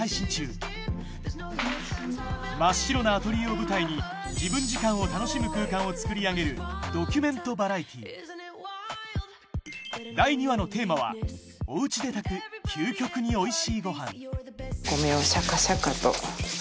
真っ白なアトリエを舞台にをつくり上げるドキュメントバラエティー第２話のテーマはお家で炊く究極に美味しいご飯お米をシャカシャカと。